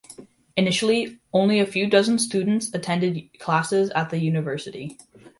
Initially, only a few dozen students attended classes at the university.